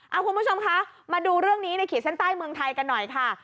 เอาคุณผู้ชมคะมาดูเรื่องนี้ในขีดเส้นใต้เมืองไทยกันหน่อยค่ะ